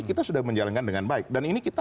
kita sudah menjalankan dengan baik dan ini kita